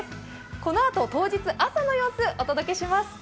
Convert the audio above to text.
このあと、当日朝の様子お届けします。